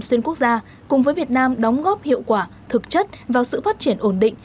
xuyên quốc gia cùng với việt nam đóng góp hiệu quả thực chất vào sự phát triển ổn định